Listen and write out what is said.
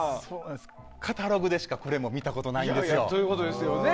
カタログでしかこれもみたことないんですよ。